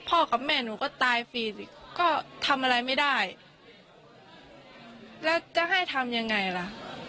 กับแม่หนูก็ตายฟรีสิก็ทำอะไรไม่ได้แล้วจะให้ทำยังไงล่ะ